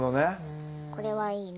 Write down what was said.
これはいいね。